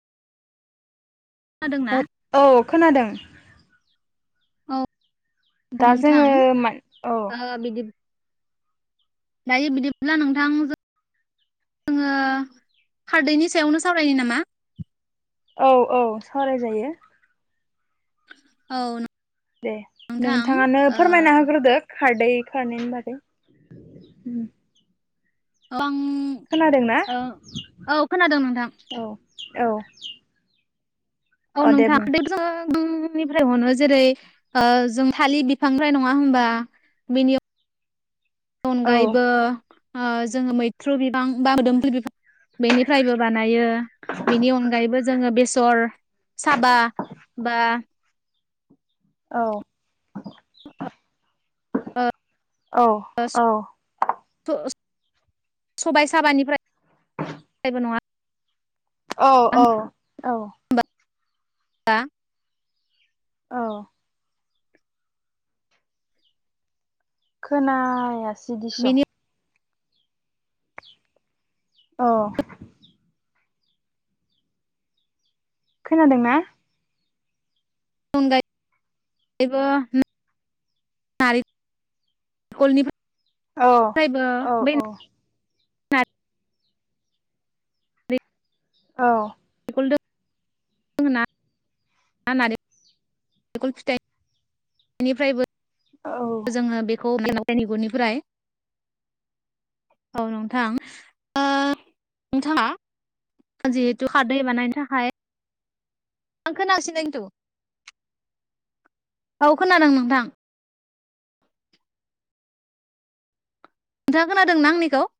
खोनादोंना? हे औ खोनादों। औ दा नोंथां जोङो मा औ। ओ बिदिब दायो बिदिब्ला नोंथां जों ङो खारदैनि सायावनो सावरायनो नामा? औ औ सावरायजायो। औ नो दे नोंथाङानो फोरमायना होग्रोदो खारदै खारनैनि बागै। [unintelligible] ओ खोनादोंना औ खोनादों नोंथां। औ औ। औ अ दे नोंथां बुं [inaudible] निफ्राय मोनो जेरै ओ जों थालिर बिफांनिफ्राय नङा होमबा बिनियाव औ अनगायैबो ओ जोङो मैथ्रु बिफां बा मोदोमफुल बिफां बेनिफ्रायबो बानायो बेनि अनगायैबो जोङो बेसर। साबा बा औ। ओ औ ओ स औ [unintelligible] सबाइ साबानिफ्राय [unintelligible] औ औ औ। [inaudible] औ। खोनासयासै दिस'। बेनि अ। खोनादों ना? अनगायैबो नारिकलनिफ्राय औ औ औ। नारेंखल औ [unintelligible] [unintelligible] फिथाय निफ्रायबो औ। जोङो बेखौ [inaudible] औ नोंथां ओ नोंथाङा जिहेतु खारदै बानायनो थाखाय आं खोनागासिनो किन्तु औ खोनादों नोंथां। नोंथाङा खोनादों ना आंनिखौ?